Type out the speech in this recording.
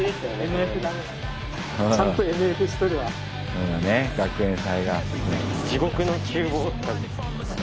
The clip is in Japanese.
そうだね学園祭が。